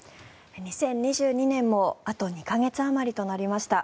２０２２年もあと２か月あまりとなりました。